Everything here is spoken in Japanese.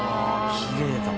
「きれいだ」